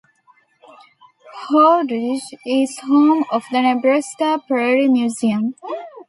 Holdrege is home of the "Nebraska Prairie Museum".